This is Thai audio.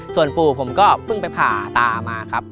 ส่วนปู่ผมก็เพิ่งไปผ่าตามาครับ